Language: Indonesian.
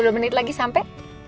sepuluh menit lagi sampai